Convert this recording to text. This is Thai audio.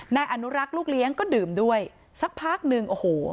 นายอนุรักษ์ลูกเลี้ยงก็ดื่มด้วยสักพักหนึ่งโอ้โห